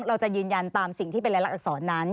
เราจะยืนยันตามสิ่งที่เป็นรายลักษรนั้น